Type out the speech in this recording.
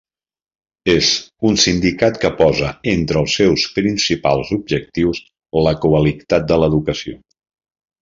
És un sindicat que posa entre els seus principals objectius la qualitat de l'educació.